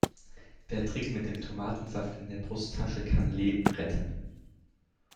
Der Trick mit dem Tomatensaft in der Brusttasche kann Leben retten.